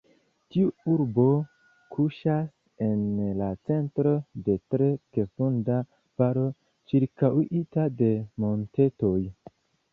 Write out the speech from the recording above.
Tiu urbo kuŝas en la centro de tre fekunda valo ĉirkaŭita de montetoj.